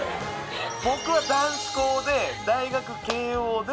僕は男子校で大学慶應で。